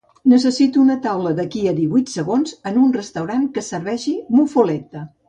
Necessito una taula d'aquí a divuit segons en un restaurant que serveixi muffuletta